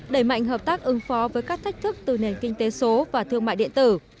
đẩy mạnh hợp tác ứng phó với các thách thức từ nền kinh tế số và thương mại điện tử